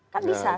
kan bisa sih